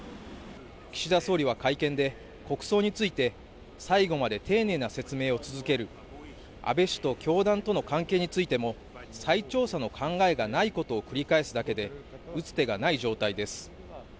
岸田総理は会見で、国葬について最後まで丁寧な説明を続ける、安倍氏と教団との関係についても再調査の考えがないことを繰り返すだけで打つ手がない状態です。